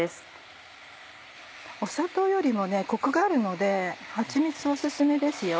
砂糖よりもコクがあるのではちみつオススメですよ。